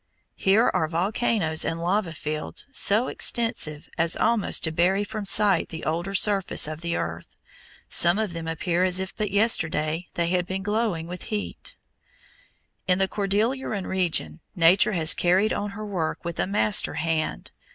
Here are volcanoes and lava fields so extensive as almost to bury from sight the older surface of the earth. Some of them appear as if but yesterday they had been glowing with heat. In the Cordilleran region Nature has carried on her work with a master hand.